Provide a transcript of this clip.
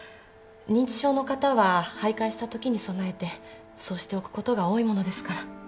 認知症の方は徘徊したときに備えてそうしておくことが多いものですから。